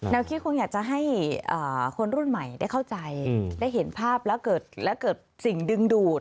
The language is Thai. คิดคงอยากจะให้คนรุ่นใหม่ได้เข้าใจได้เห็นภาพแล้วเกิดสิ่งดึงดูด